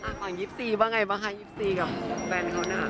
อ่ะฝั่งยิปซีบ้างไงบ้างยิปซีกับแฟนเขาน่ะ